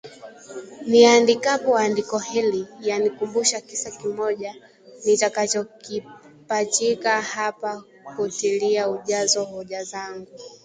Niandikapo andiko hili yanikumbusha kisa kimoja nitakachokipachika hapa kutilia ujazo hoja zangu